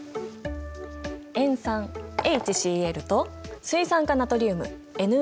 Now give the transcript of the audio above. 塩酸ＨＣｌと水酸化ナトリウムＮａＯＨだよ。